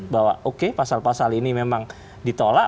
bahwa oke pasal pasal ini memang ditolak